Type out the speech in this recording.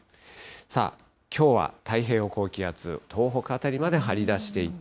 さあ、きょうは太平洋高気圧、東北辺りまで張り出していて、